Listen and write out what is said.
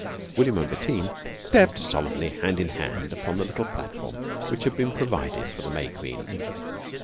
[Illustration: WILLIAM AND BETTINE STEPPED SOLEMNLY HAND IN HAND UPON THE LITTLE PLATFORM WHICH HAD BEEN PROVIDED FOR THE MAY QUEEN.